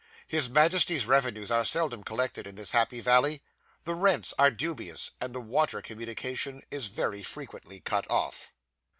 His Majesty's revenues are seldom collected in this happy valley; the rents are dubious; and the water communication is very frequently cut off.